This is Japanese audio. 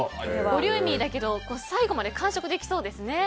ボリューミーだけど最後まで完食できそうですね。